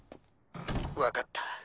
分かった。